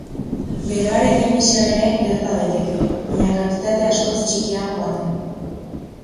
Beroaren emisioa ere gerta daiteke, baina kantitate askoz txikiago batean.